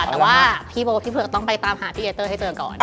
แต่ว่าพี่บอกว่าพี่เผือกต้องไปตามหาพี่เอเตอร์ให้เจอก่อน